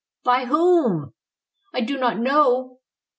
"By whom?" "I do not know."